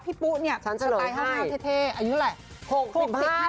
พี่ปุ๊เนี่ยชะไต๕๕เท่อายุอะไร